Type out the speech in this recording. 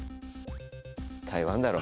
台湾だろ